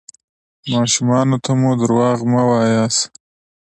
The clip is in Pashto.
ماشومانو ته مو درواغ مه وایاست.